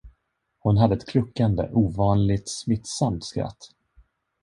Hon hade ett kluckande, ovanligt smittsamt skratt.